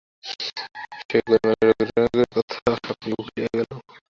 সে গোলমালে রোগীর রোগের কথা সকলেই ভুলিয়া গেল।